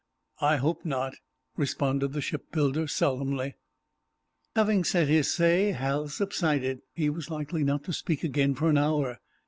"I hope not," responded the shipbuilder, solemnly. Having said his say, Hal subsided. He was likely not to speak again for an hour.